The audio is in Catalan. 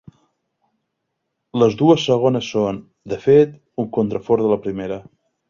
Les dues segones són, de fet, un contrafort de la primera.